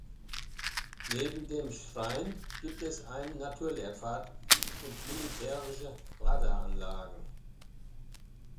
Neben dem Schrein gibt es einen Naturlehrpfad und militärische Radaranlagen.